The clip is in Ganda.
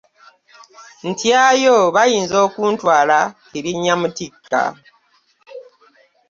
Ntyayo, bayinza okuntwala kirinnya mutikka.